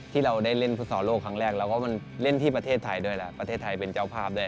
ที่เราได้เล่นฟุตซอลโลกครั้งแรกทำงานที่ประเทศไทยเป็นเพื่อนเจ้าภาพ